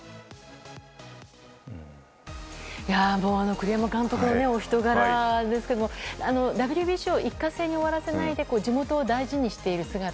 栗山監督のお人柄ですけれどもＷＢＣを一過性に終わらせないで地元を大事にしている姿。